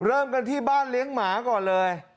เริ่มกันที่บ้านเลี้ยงหมาก่อนเลย